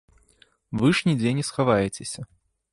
Вы ж нідзе не схаваецеся.